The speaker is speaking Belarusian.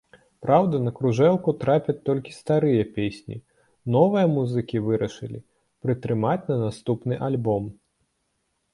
Праўда, на кружэлку трапяць толькі старыя песні, новыя музыкі вырашылі прытрымаць на наступны альбом.